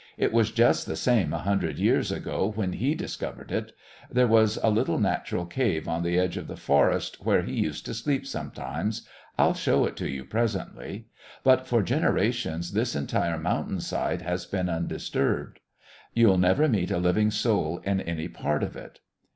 "It was just the same a hundred years ago when he discovered it there was a little natural cave on the edge of the forest where he used to sleep sometimes I'll show it to you presently but for generations this entire mountain side has been undisturbed. You'll never meet a living soul in any part of it."